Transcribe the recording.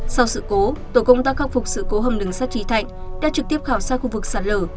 sau sự cố tổ công tác khắc phục sự cố hầm đường sắt trí thạnh đã trực tiếp khảo sát khu vực sạt lở